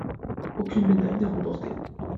Aucune médaille n'est remportée.